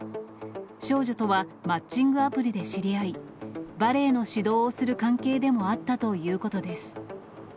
少女とはマッチングアプリで知り合い、バレエの指導をする関係でもあったということです。